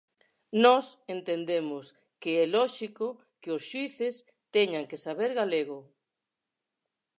Nós entendemos que é lóxico que os xuíces teñan que saber galego.